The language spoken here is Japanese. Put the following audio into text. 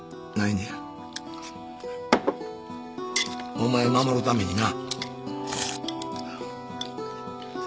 お前守るためにな。